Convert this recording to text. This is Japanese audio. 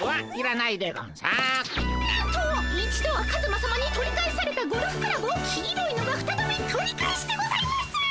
なんと一度はカズマさまに取り返されたゴルフクラブを黄色いのがふたたび取り返してございます！